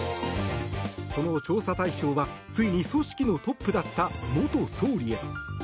その調査対象はついに、組織のトップだった元総理へ。